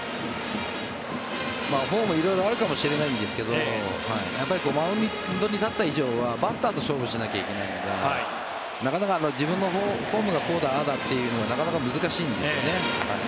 フォームは色々あるかもしれないんですがマウンドに立った以上はバッターと勝負しなきゃいけないのでなかなか自分のフォームがこうだ、ああだっていうのはなかなか難しいんですよね。